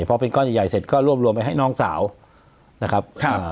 พอเป็นก้อนใหญ่ใหญ่เสร็จก็รวบรวมไปให้น้องสาวนะครับ